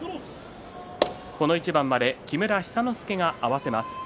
この一番まで木村寿之介が合わせます。